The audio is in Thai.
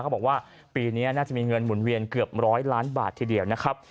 เขาบอกว่าปีนี้น่าจะมีเงินหมุนเวียนเกือบร้อยล้านบาททีเดียวนะครับ